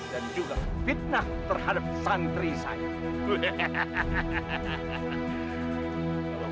dan juga fitnah terhadap santri saya